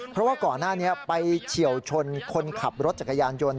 เพราะว่าก่อนหน้านี้ไปเฉียวชนคนขับรถจักรยานยนต์